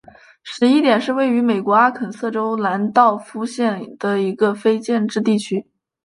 十一点是位于美国阿肯色州兰道夫县的一个非建制地区。